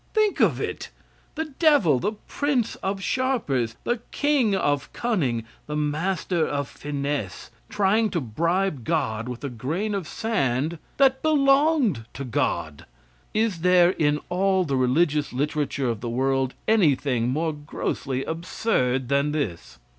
Think of it! The devil the prince of sharpers the king of cunning the master of finesse, trying to bribe God with a grain of sand that belonged to God! Is there in ail the religious literature of the world any thing more grossly absurd than this?